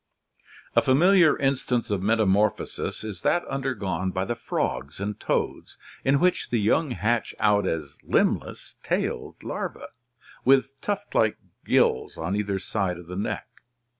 A familiar instance of metamorphosis is that undergone by the frogs and toads, in which the young hatch out as limbless, tailed larvae with tuft like gills on either side of the neck.